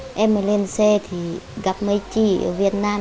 em mới lên xe thì gặp mấy chị ở việt nam